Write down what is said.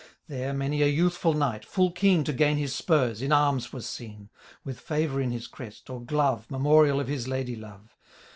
There many a youthful knight, full keen To gain his spurs, in arms was seen ; With favour in his crest, or glove. Memorial of his ladye love.